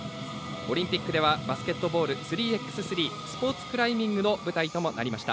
オリンピックではバスケットボール３ｘ３スポーツクライミングの舞台にもなりました。